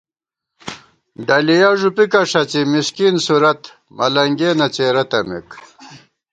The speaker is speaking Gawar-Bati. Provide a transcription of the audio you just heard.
ڈلیہ ݫُوپیکہ ݭڅی مِسکین صورت ، ملَنگِیَنہ څېرہ تمېک